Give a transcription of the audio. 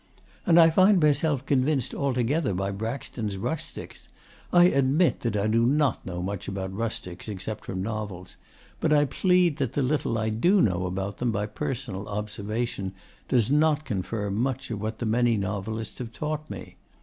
And I find myself convinced altogether by Braxton's rustics. I admit that I do not know much about rustics, except from novels. But I plead that the little I do know about them by personal observation does not confirm much of what the many novelists have taught me.